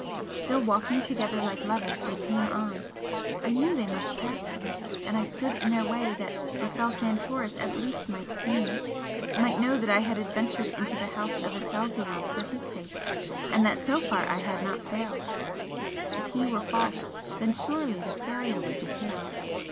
Still walking together like lovers, they came on I knew they must pass me, and I stood in their way that Rafel Santoris at least might see me might know that I had adventured into the House of Aselzion for his sake, and that so far I had not failed! If he were false, then surely the failure would be his!